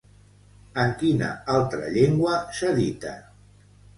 En quina altra llengua s'edita?